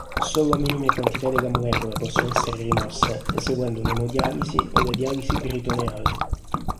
Solo minime quantità della molecola possono essere rimosse eseguendo un'emodialisi o la dialisi peritoneale.